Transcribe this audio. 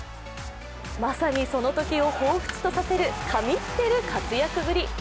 まさにそのときをほうふつとさせる神ってる活躍ぶり。